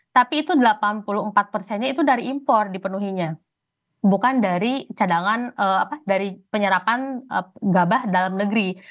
tapi itu delapan puluh empat persennya itu dari impor dipenuhinya bukan dari cadangan dari penyerapan gabah dalam negeri